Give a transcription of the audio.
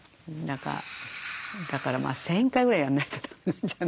だから１，０００回ぐらいやんないとだめなんじゃない。